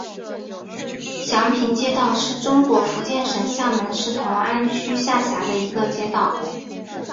祥平街道是中国福建省厦门市同安区下辖的一个街道。